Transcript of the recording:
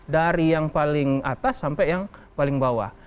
dari yang paling atas sampai yang paling bawah